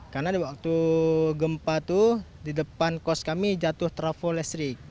karena waktu gempa itu di depan kos kami jatuh trafo listrik